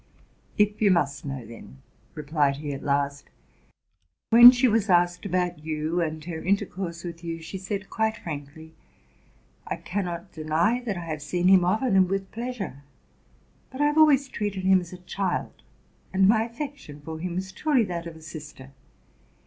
'If you must know, then,'' replied he at last, '*when she was asked about you, and her intercourse with you, she said quite frankly, ' I cannot deny that I have seen him often and with pleasure ; but I have always treated him as a child, and my affection for him was truly that of a sis ter.